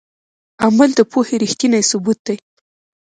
عمل د پوهې ریښتینی ثبوت دی.